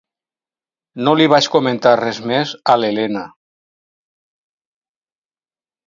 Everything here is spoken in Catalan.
No li vaig comentar res més a l'Elena.